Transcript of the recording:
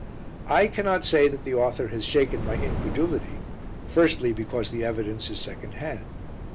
I cannot say that the author has shaken my incredulity firstly, because the evidence is second hand.